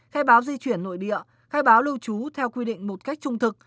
khai báo di chuyển nội địa khai báo lưu trú theo quy định một cách trung thực